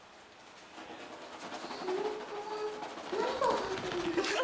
そのかばん何が入ってるんですか？